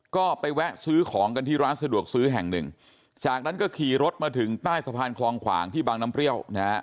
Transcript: ก็ไปแวะซื้อของกันที่ร้านสะดวกซื้อแห่งหนึ่งจากนั้นก็ขี่รถมาถึงใต้สะพานคลองขวางที่บางน้ำเปรี้ยวนะฮะ